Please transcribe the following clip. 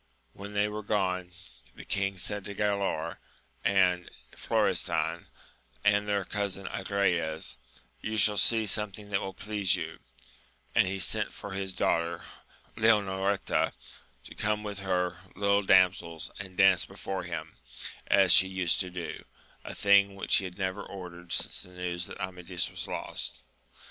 When they were gone, the king Mid to Galaor and Florestan, and their conmn Agrayes, You shall see something that will please you I and he sent for his daughter Leonoreta to come with her little damsels and dance before him, as she tuied to do : a thing which he had never ordered nnoe the news that Amadis was lost.